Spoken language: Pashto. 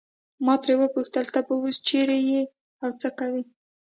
ما ترې وپوښتل ته به اوس چیرې یې او څه کوې.